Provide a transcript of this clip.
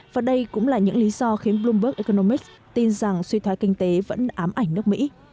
và đây cũng là những lý do khiến bloomberg economics tin rằng suy thoái kinh tế vẫn ám ảnh nước mỹ